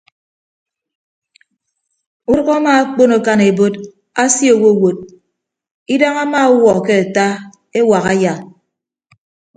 Udʌk ama akpon akan ebot asie owowot idañ ama ọwuọ ke ata ewak aya.